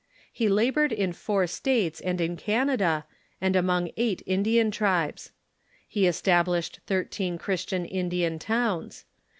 He labored in four states and in Canada, and among eight Indian tribes. He established thirteen Christian Indian towns.